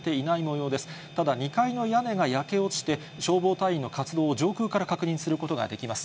ただ、２階の屋根が焼け落ちて、消防隊員の活動を上空から確認することができます。